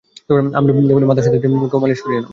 আমি বলি, মাথার সাথে সাথে মুখেও মালিশ করিয়ে নেও।